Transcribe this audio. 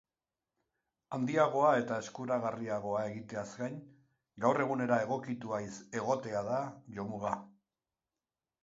Handiagoa eta eskuragarriagoa egiteaz gain, gaur egunera egokitua egotea da jomuga.